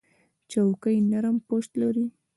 چوکۍ نرم پُشت لري.